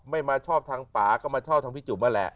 ไม่มาชอบทางป่าก็มาชอบทางพี่จุ๋มนั่นแหละ